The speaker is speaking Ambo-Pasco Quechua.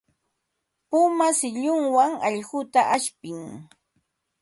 Puma shillunwan allquta ashpin.